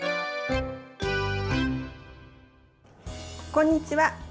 こんにちは。